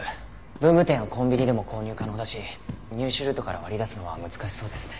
文具店やコンビニでも購入可能だし入手ルートから割り出すのは難しそうですね。